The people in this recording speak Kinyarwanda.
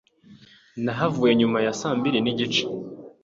Nahavuyeyo nyuma ya saa mbiri n'igice.